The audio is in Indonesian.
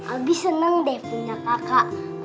abi seneng deh punya kakak